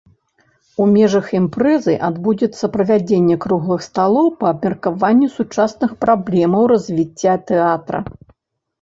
У межах імпрэзы адбудзецца правядзенне круглых сталоў па абмеркаванню сучасных праблемаў развіцця тэатра.